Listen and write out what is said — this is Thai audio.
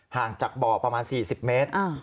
ห่างจากบ่อประมาณ๔๐เมตร